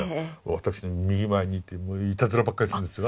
私の右前にいてもういたずらばっかりするんですが。